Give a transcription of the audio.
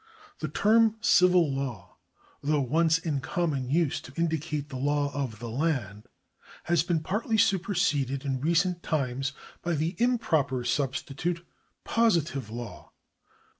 1 The term civil law, though once in common use to indicate the law of the land, has been partly superseded in recent times by the improper substitute, ■positive law.